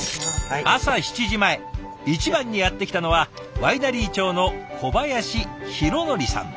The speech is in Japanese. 朝７時前一番にやって来たのはワイナリー長の小林弘憲さん。